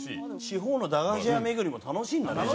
地方の駄菓子屋巡りも楽しいんだな。